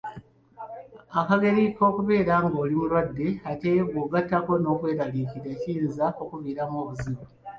Akageri k'obeera ng'oli mulwadde ate bw'ogattako okweraliikirira kiyinza okukuviiramu obuzibu.